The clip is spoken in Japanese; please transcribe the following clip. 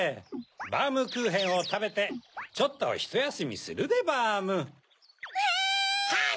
バームクーヘンをたべてちょっとひとやすみするでバーム！わい！